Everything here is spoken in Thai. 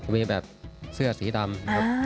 มีแบบเสื้อสีดำ